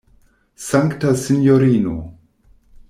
Sankta sinjorino!